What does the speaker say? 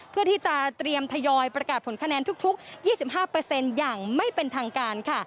เพื่อที่จะเตรียมทยอยประกาศผลคะแนนทุก๒๕อย่างไม่เป็นทางการค่ะ